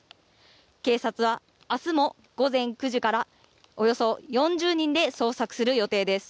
警察は明日も午前９時からおよそ４０人で捜索する予定です。